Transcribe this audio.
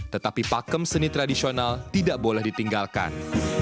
tetapi pakem seni tradisional tidak boleh ditinggalkan